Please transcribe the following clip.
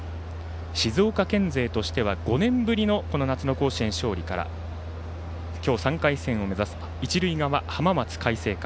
静岡県勢としては５年ぶりの夏の甲子園勝利から今日３回戦を目指す一塁側、浜松開誠館。